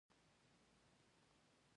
لمریز ځواک د افغانستان د سیلګرۍ برخه ده.